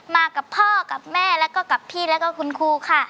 มากับพ่อกับแม่แล้วก็กับพี่แล้วก็คุณครูค่ะ